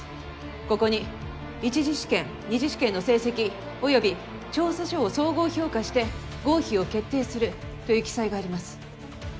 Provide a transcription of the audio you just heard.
ここに「一次試験、二次試験の成績および、調査書を総合評価して合否を決定する。」という記載があります。